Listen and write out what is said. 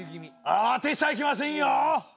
あわてちゃいけませんよええ。